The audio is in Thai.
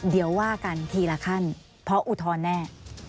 เดี๋ยวว่ากันทีละขั้นเพราะอุทธรณ์แน่